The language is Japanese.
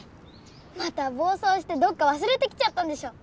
またぼうそうしてどっかわすれてきちゃったんでしょ。